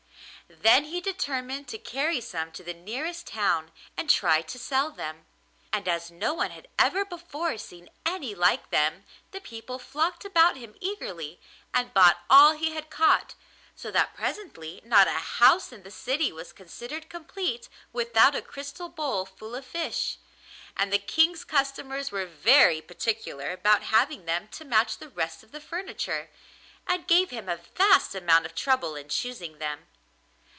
Then he determined to carry some to the nearest town and try to sell them; and as no one had ever before seen any like them the people flocked about him eagerly and bought all he had caught, so that presently not a house in the city was considered complete without a crystal bowl full of fish, and the King's customers were very particular about having them to match the rest of the furniture, and gave him a vast amount of trouble in choosing them.